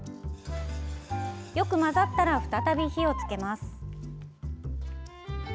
よく混ざったら再び火をつけます。